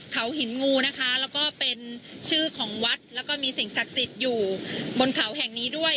เขาหินงูนะคะแล้วก็เป็นชื่อของวัดแล้วก็มีสิ่งศักดิ์สิทธิ์อยู่บนเขาแห่งนี้ด้วย